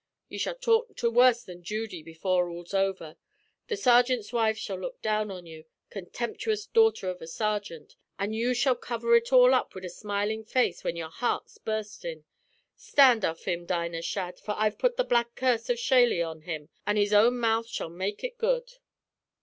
You shall talk to worse than Judy before all's over. The sergint's wives shall look down on you, contemptuous daughter av a sergint, an' you shall cover ut all up wid a smilin' face whin your heart's burstin'. Stand aff him, Dinah Shadd, for I've put the Black Curse of Shielygh upon him, an' his own mouth shall make ut good.'